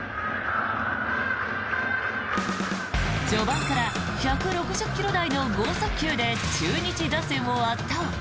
序盤から１６０ｋｍ台の豪速球で中日打線を圧倒。